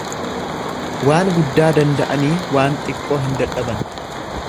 Waan guddaa danda'anii waan xiqqoo hin dadhaban.